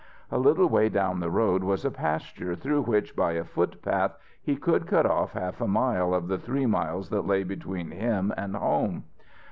A little way down the road was a pasture through which by a footpath he could cut off half a mile of the three miles that lay between him and home.